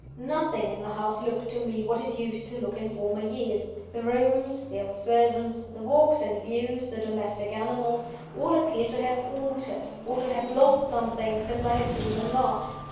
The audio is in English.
Nothing in the house looked to me what it used to look in former years. The rooms, the old servants, the walks and views, the domestic animals, all appeared to have altered, or to have lost something, since I had seen them last.